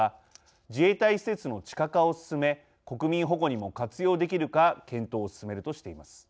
自衛隊施設の地下化を進め国民保護にも活用できるか検討を進めるとしています。